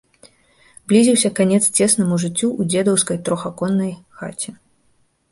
Блізіўся канец цеснаму жыццю ў дзедаўскай трохаконнай хаце.